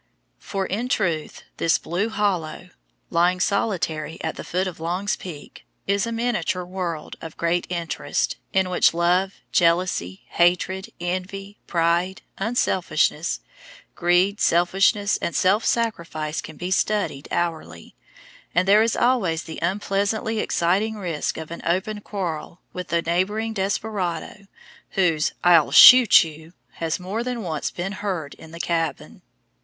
For, in truth, this blue hollow, lying solitary at the foot of Long's Peak, is a miniature world of great interest, in which love, jealousy, hatred, envy, pride, unselfishness, greed, selfishness, and self sacrifice can be studied hourly, and there is always the unpleasantly exciting risk of an open quarrel with the neighboring desperado, whose "I'll shoot you!" has more than once been heard in the cabin.